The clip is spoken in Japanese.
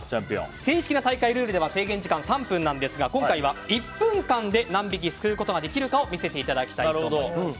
正式な大会ルールでは制限時間３分なんですが今回は１分間で何匹すくうことができるか見せていただきたいと思います。